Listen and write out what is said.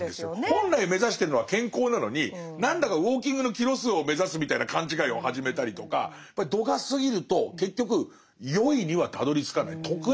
本来目指してるのは健康なのに何だかウォーキングのキロ数を目指すみたいな勘違いを始めたりとか。ということはもうおっしゃってたんですね。